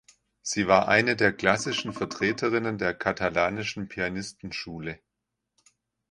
Sie war eine der klassischen Vertreterinnen der Katalanischen Pianistenschule.